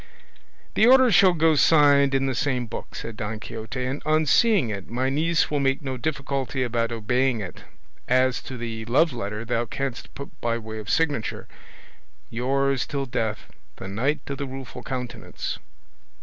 "The order shall go signed in the same book," said Don Quixote, "and on seeing it my niece will make no difficulty about obeying it; as to the loveletter thou canst put by way of signature, 'Yours till death, the Knight of the Rueful Countenance.